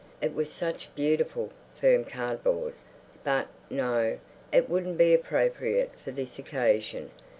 It was such beautiful, firm cardboard. But, no, it wouldn't be appropriate for this occasion.